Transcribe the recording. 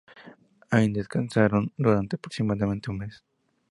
Allí descansaron durante aproximadamente un mes.